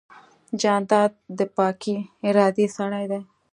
جانداد د پاکې ارادې سړی دی.